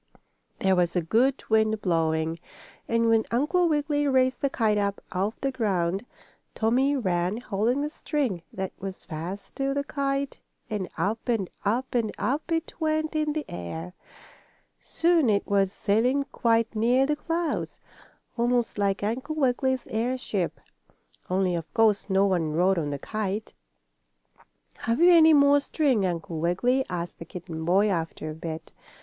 There was a good wind blowing, and when Uncle Wiggily raised the kite up off the ground, Tommie ran, holding the string that was fast to the kite and up and up and up it went in the air. Soon it was sailing quite near the clouds, almost like Uncle Wiggily's airship, only, of course, no one rode on the kite. "Have you any more string, Uncle Wiggily?" asked the kitten boy, after a bit.